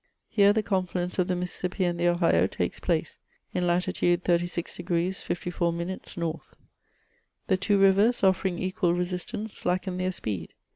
Here the confluence of the Mississippi and the Ohio takes place, in lati tude 36 deg. 54 min. north. The two rivers, ofl^ering equal re sistance, slacken their speed.